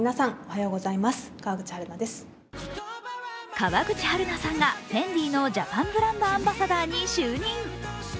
川口春奈さんがＦＥＮＤＩのジャパンブランドアンバサダーに就任。